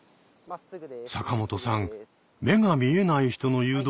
坂本さん目が見えない人の誘導